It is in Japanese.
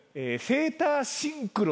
セーターシンクロ？